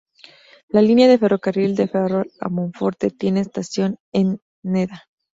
La línea de ferrocarril de Ferrol a Monforte tiene estación en Neda.